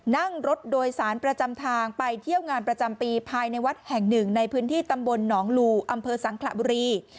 นั่งรถโดยสารประจำทางไปเที่ยวงานประจำปีภายในวัดแห่งหนึ่งในพื้นที่ตำบลหนองลูอำเภอสังขระบุรี